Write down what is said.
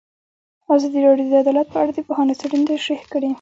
ازادي راډیو د عدالت په اړه د پوهانو څېړنې تشریح کړې.